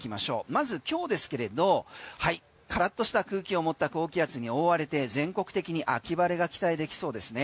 まず今日ですけれどカラッとした空気を持った高気圧に覆われて全国的に秋晴れが期待できそうですね。